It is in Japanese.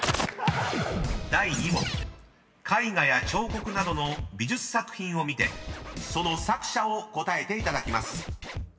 ［第２問絵画や彫刻などの美術作品を見てその作者を答えていただきます］